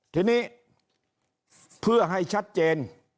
ทีนี้เพื่อให้ชัดเจน